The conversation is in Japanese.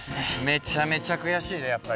めちゃめちゃ悔しいねやっぱり。